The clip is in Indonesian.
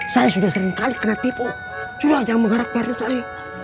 saya sudah seringkali kena tipu culah jangan mengharap partai saya